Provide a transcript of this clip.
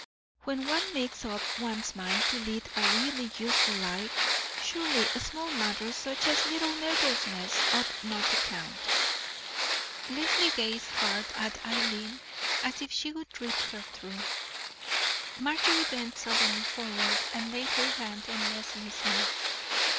"When one makes up one's mind to lead a really useful life, surely small matters, such as little nervousnesses, ought not to count." Leslie gazed hard at Eileen, as if she would read her through. Marjorie bent suddenly forward and laid her hand on Leslie's knee.